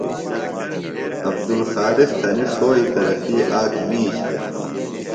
عبدلخالق تھنیۡ ݜوئی طرفی آک مِیش دےۡ